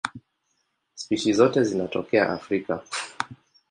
Spishi zote zinatokea Afrika.